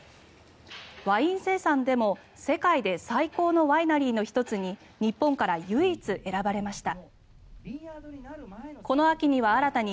ワイン生産でも世界で最高のワイナリーの１つに日本から唯一選ばれました。